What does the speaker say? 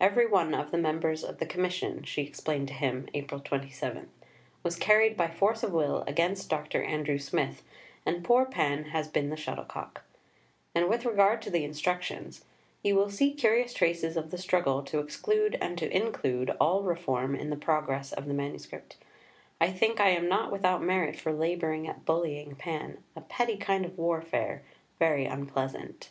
"Every one of the members of the Commission," she explained to him (April 27), "was carried by force of will against Dr. Andrew Smith, and poor Pan has been the shuttlecock"; and with regard to the Instructions, "You will see curious traces of the struggle to exclude and to include all reform in the progress of the MS. I think I am not without merit for labouring at bullying Pan a petty kind of warfare, very unpleasant."